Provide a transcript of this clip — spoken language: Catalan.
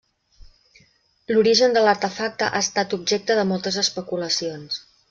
L'origen de l'artefacte ha estat objecte de moltes especulacions.